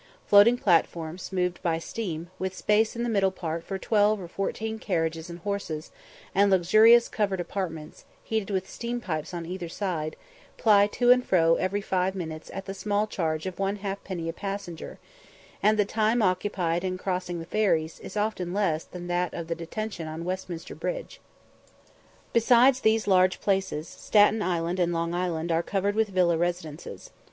Floating platforms, moved by steam, with space in the middle part for twelve or fourteen carriages and horses, and luxurious covered apartments, heated with steam pipes on either side, ply to and fro every five minutes at the small charge of one halfpenny a passenger, and the time occupied in crossing the ferries is often less than that of the detention on Westminster Bridge. Besides these large places, Staten Island and Long Island are covered with villa residences.